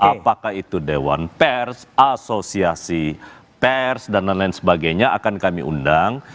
apakah itu dewan pers asosiasi pers dan lain lain sebagainya akan kami undang